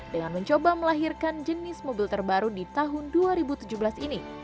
dengan mencoba melahirkan jenis mobil terbaru di tahun dua ribu tujuh belas ini